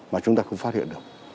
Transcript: mà chúng ta không phát hiện được